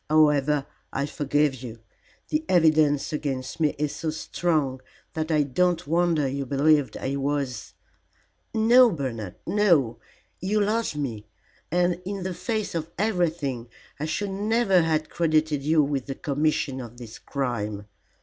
"However, I forgive you. The evidence against me is so strong that I don't wonder you believed I was " "No, Bernard, no. You loved me, and in the face of everything I should never have credited you with the commission of this crime.